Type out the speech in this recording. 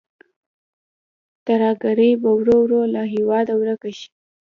ترهګري به ورو ورو له هېواده ورکه شي.